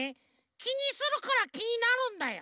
きにするからきになるんだよ。